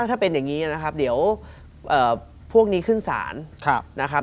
ถ้าเป็นอย่างนี้นะครับเดี๋ยวพวกนี้ขึ้นศาลนะครับ